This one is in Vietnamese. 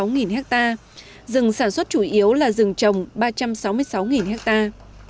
nghìn hectare rừng sản xuất chủ yếu là rừng trồng ba trăm sáu mươi sáu hectare